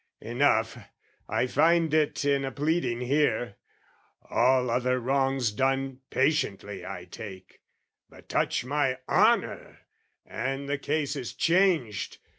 Enough, I find it in a pleading here, "All other wrongs done, patiently I take: "But touch my honour and the case is changed!